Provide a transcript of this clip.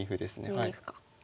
２二歩か。